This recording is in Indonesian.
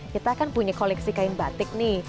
kita kan punya koleksi kain batik nih